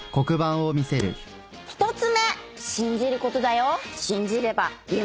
１つ目信じることだよ。